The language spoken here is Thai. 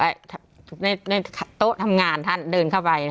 และในโต๊ะทำงานท่านเดินเข้าไป